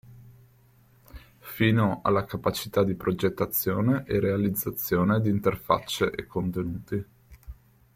Fino alla capacità di progettazione e realizzazione di interfacce e contenuti.